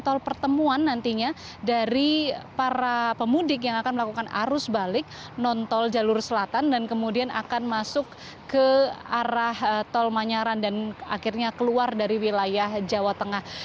tol pertemuan nantinya dari para pemudik yang akan melakukan arus balik non tol jalur selatan dan kemudian akan masuk ke arah tol manyaran dan akhirnya keluar dari wilayah jawa tengah